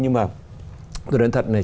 nhưng mà tôi nói thật này